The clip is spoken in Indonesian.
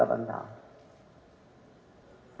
semua itu untuk tunjuk mata